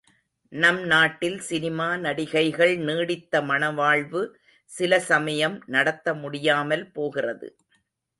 நம் நாட்டில் சினிமா நடிகைகள் நீடித்த மணவாழ்வு சில சமயம் நடத்த முடியாமல் போகிறது.